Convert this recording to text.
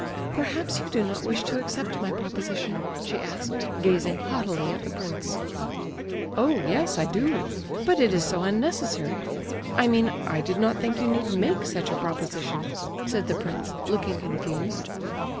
"Perhaps you do not wish to accept my proposition?" she asked, gazing haughtily at the prince. "Oh yes, I do; but it is so unnecessary. I mean, I did not think you need make such a proposition," said the prince, looking confused.